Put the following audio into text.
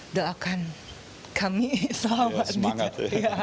udah akan kami selamat